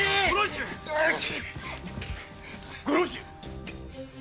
ご老中